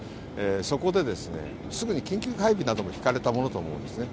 そこですぐに緊急配備なども敷かれたものと思うんですね。